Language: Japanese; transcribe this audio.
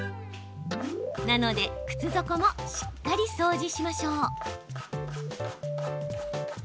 なので靴底もしっかり掃除しましょう。